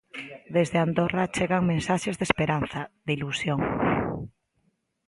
Desde Andorra chegan mensaxes de esperanza, de ilusión.